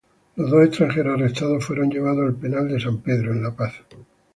Los dos extranjeros arrestados fueron llevados al penal de San Pedro, en La Paz.